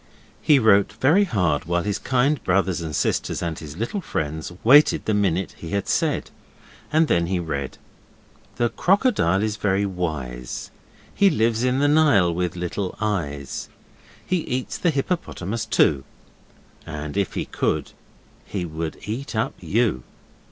He wrote very hard while his kind brothers and sisters and his little friends waited the minute he had said, and then he read: 'The crocodile is very wise, He lives in the Nile with little eyes, He eats the hippopotamus too, And if he could he would eat up you.